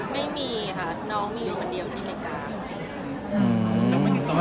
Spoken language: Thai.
ไม่มีค่ะน้องมีอยู่คนเดียวที่ไม่กล้า